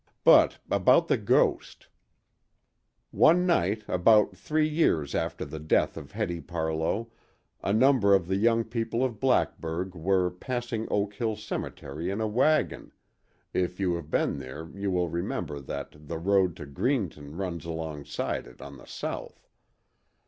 But about the ghost: One night, about three years after the death of Hetty Parlow, a number of the young people of Blackburg were passing Oak Hill Cemetery in a wagon—if you have been there you will remember that the road to Greenton runs alongside it on the south.